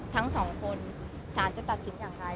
ทั้งสองคนสารจะตัดสินอย่างไร